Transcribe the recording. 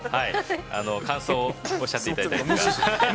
感想をおっしゃっていただいたりとか。